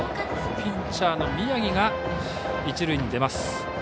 ピッチャーの宮城が一塁に出ます。